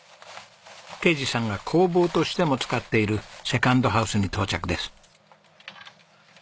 啓二さんが工房としても使っているセカンドハウスに到着です。